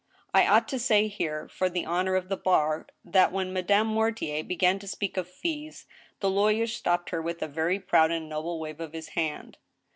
I ought to say here, for the honor of the bar, that, when Madame Mortier began to speak of fees, the lawyer stopped her with a very proud and noble wave of his hand.